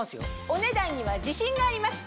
お値段には自信があります！